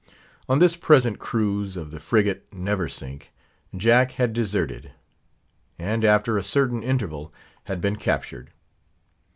On this present cruise of the frigate Neversink, Jack had deserted; and after a certain interval, had been captured.